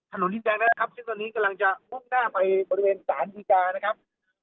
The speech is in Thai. กินดอนเมืองในช่วงเวลาประมาณ๑๐นาฬิกานะครับ